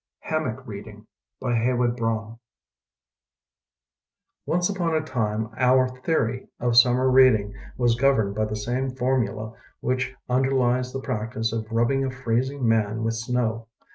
HAMMOCK READING By Heywood Broun ONCE upon a time our theory of summer reading was governed by the same formula which underlies the practice of rubbing a freezing man with snow.